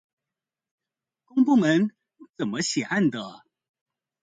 公部門怎麼寫案的